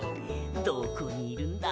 どこにいるんだ？